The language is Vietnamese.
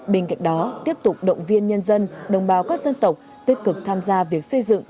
bên cạnh đó tiếp tục động viên nhân dân đồng bào các dân tộc tích cực tham gia việc xây dựng